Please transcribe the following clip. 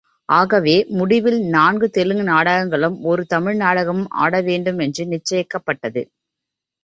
ஆகவே முடிவில், நான்கு தெலுங்கு நாடகங்களும், ஒரு தமிழ் நாடகமும் ஆடவேண்டுமென்று நிச்சயிக்கப்பட்டது.